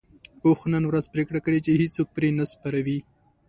اوښ نن ورځ پرېکړه کړې چې هيڅوک پرې نه سپروي.